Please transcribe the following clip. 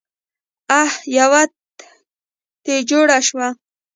اح يوه تې جوړه شوه.